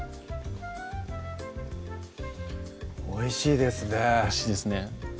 おいしいですねおいしいですね